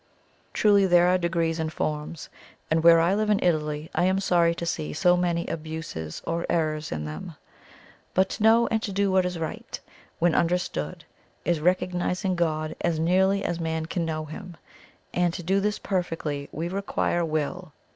Truly there are degrees in forms, and where I live in Italy I am sorry to see so many abuses or errors in them. But to know and do what is right, when understood, is recognising God as nearly as man can know him, and to do this perfectly we require Will.